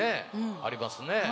ありますね。